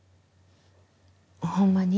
ほんまに？